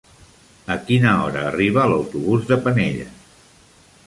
A quina hora arriba l'autobús de Penelles?